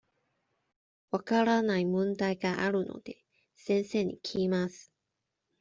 分からない問題があるので、先生に聞きます。